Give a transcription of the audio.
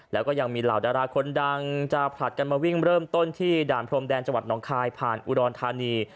แล้วก็ยังมีเหล่าดาราคนดังจะผลัดกันมาวิ่งเริ่มต้นที่ด่านพรมแดนจังหวัดน้องคายผ่านอุดรธานี